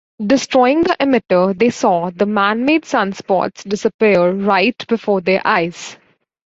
Destroying the emitter, they saw the man-made sunspots disappear right before their eyes.